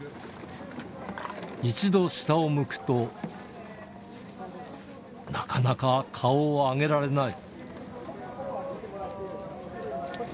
一度、下を向くと、なかなか顔を上げられない。